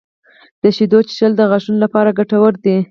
• د شیدو څښل د غاښونو لپاره ګټور دي.